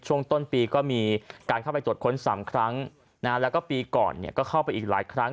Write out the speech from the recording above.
ช่วงต้นปีก็มีการเข้าไปตรวจค้น๓ครั้งแล้วก็ปีก่อนเนี่ยก็เข้าไปอีกหลายครั้ง